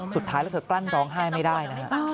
สุดท้ายแล้วเธอกลั้นร้องไห้ไม่ได้นะฮะ